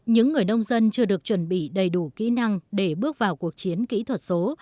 những người nông dân chưa được chuẩn bị đầy đủ kỹ năng để bước vào cuộc chiến kỹ thuật số